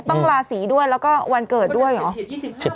ราศีด้วยแล้วก็วันเกิดด้วยเหรอ